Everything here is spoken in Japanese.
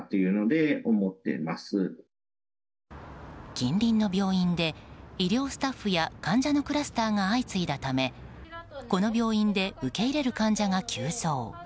近隣の病院で医療スタッフや患者のクラスターが相次いだためこの病院で受け入れる患者が急増。